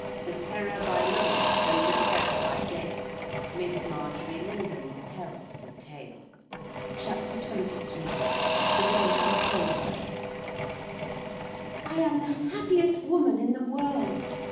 The Terror by Night and the Terror by Day Miss Marjorie Lindon tells the Tale CHAPTER XXIII. THE WAY HE TOLD HER I am the happiest woman in the world!